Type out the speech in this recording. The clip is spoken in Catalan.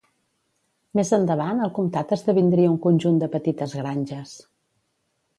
Més endavant el comtat esdevindria un conjunt de petites granges.